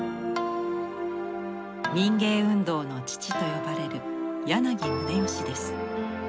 民藝運動の父と呼ばれる柳宗悦です。